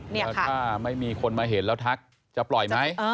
แล้วถ้าไม่มีคนมาเห็นแล้วทักจะปล่อยไหม